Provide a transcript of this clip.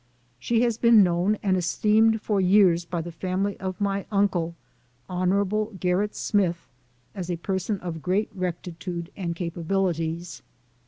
She has been known and esteemed for years by the family of my uncle, Hon. Gerrit Smith, as a person of great rectitude and capabilities.